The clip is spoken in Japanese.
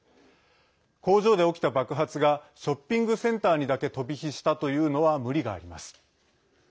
工場で起きた爆発がショッピングセンターにだけ飛び火したというのは無理があります。